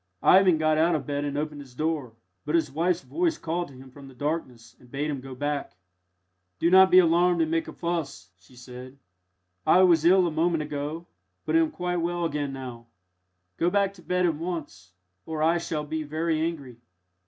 Ivan got out of bed and opened his door, but his wife's voice called to him from the darkness and bade him go back. "Do not be alarmed and make a fuss," she said; "I was ill a moment ago, but am quite well again now. Go back to bed at once, or I shall be very angry."